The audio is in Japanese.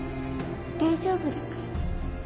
大丈夫だから